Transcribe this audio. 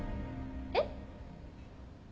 えっ？